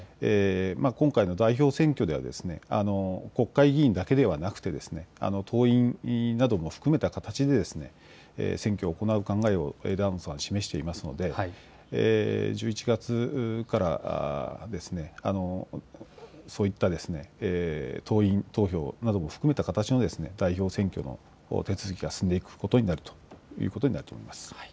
今回の代表選挙では国会議員だけではなく党員なども含めた形で選挙を行う考えを枝野さん、示していますので１１月からそういった党員投票なども含めた形の代表選挙の手続きが進んでいくことになるということになると思います。